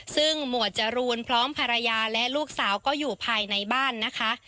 ซึ่งหมวดจรูนพร้อมภรรยาและลูกสาวก็อยู่ภายในบ้านนะคะ